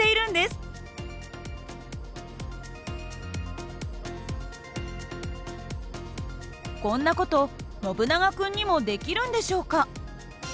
こんな事ノブナガ君にもできるんでしょうか？